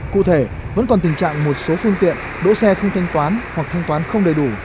cụ thể vẫn còn tình trạng một số phương tiện đỗ xe không thanh toán hoặc thanh toán không đầy đủ